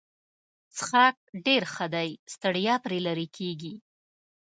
څښاک ډېر ښه دی ستړیا پرې لیرې کیږي.